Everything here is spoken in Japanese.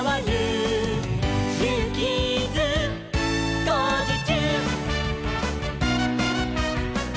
「ジューキーズ」「こうじちゅう！」